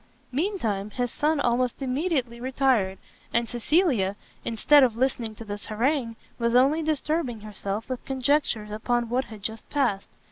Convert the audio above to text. Mean time his son almost immediately retired: and Cecilia, instead of listening to this harangue, was only disturbing herself with conjectures upon what had just passed.